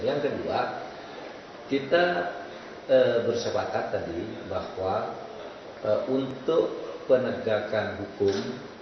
yang kedua kita bersepakat tadi bahwa untuk penegakan hukum